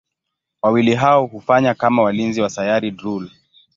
Wawili hao hufanya kama walinzi wa Sayari Drool.